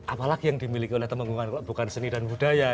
apalagi yang dimiliki oleh temenggungan bukan seni dan budaya